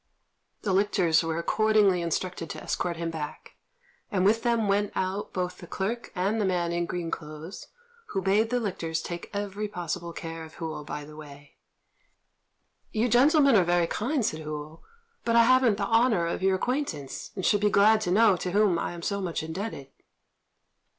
The lictors were accordingly instructed to escort him back, and with them went out both the clerk and the man in green clothes, who bade the lictors take every possible care of Hou by the way. "You gentlemen are very kind," said Hou, "but I haven't the honour of your acquaintance, and should be glad to know to whom I am so much indebted."